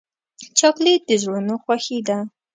چاکلېټ د زړونو خوښي ده.